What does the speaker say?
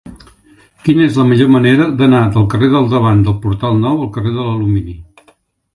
Quina és la millor manera d'anar del carrer del Davant del Portal Nou al carrer de l'Alumini?